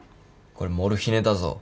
これモルヒネだぞ。